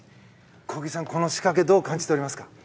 小木さん、この仕掛けどう感じておりますか？